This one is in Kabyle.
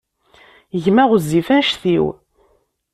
Gma ɣezzif anect-iw.